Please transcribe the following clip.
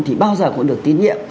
thì bao giờ cũng được tiến nhiệm